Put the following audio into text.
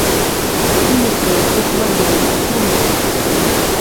І не толькі сваёй акругі.